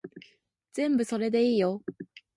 全部それでいいよ